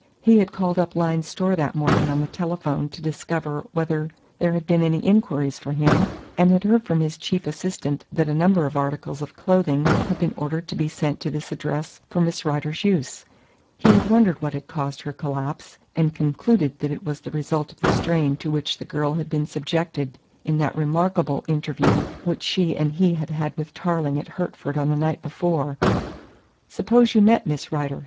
He had called up Lyne's Store that morning on the telephone to discover whether there had been any inquiries for him and had heard from his chief assistant that a number of articles of clothing had been ordered to be sent to this address for Miss Rider's use. He had wondered what had caused her collapse, and concluded that it was the result of the strain to which the girl had been subjected in that remarkable interview which she and he had had with Tarling at Hertford on the night before. "Suppose you met Miss Rider?"